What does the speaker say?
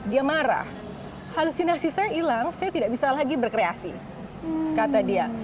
dia marah halusinasi saya hilang saya tidak bisa lagi berkreasi kata dia